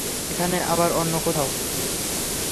এখানে আবার অন্য কোথাও।